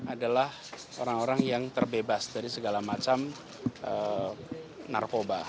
adalah orang orang yang terbebas dari segala macam narkoba